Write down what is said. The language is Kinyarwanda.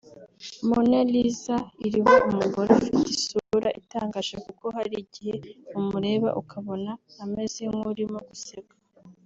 Mona Lisa iriho umugore ufite isura itangaje kuko hari igihe umureba ukabona ameze nk’urimo guseka